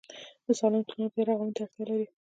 د سالنګ تونل بیارغونې ته اړتیا لري؟